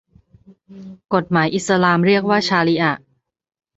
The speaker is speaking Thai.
กฎหมายอิสลามเรียกว่าชาริอะฮ์